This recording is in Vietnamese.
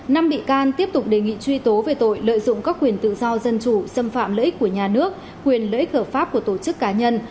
năm bị can tiếp tục đề nghị truy tố về tội lợi dụng các quyền tự do dân chủ xâm phạm lợi ích của nhà nước quyền lợi ích hợp pháp của tổ chức cá nhân